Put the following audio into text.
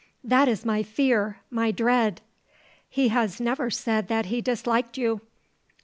That is my fear, my dread." "He has never said that he disliked you."